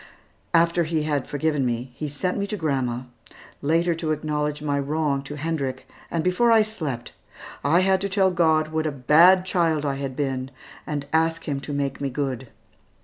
After he had forgiven me, he sent me to grandma, later to acknowledge my wrong to Hendrik, and before I slept, I had to tell God what a bad child I had been, and ask Him to make me good.